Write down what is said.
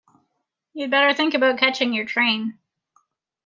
You’d better think about catching your train.